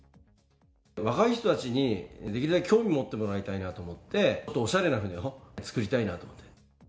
若い人たちにできるだけ興味持ってもらいたいなと思って、おしゃれな船を造りたいなと思って。